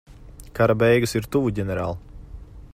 Kara beigas ir tuvu, ģenerāl.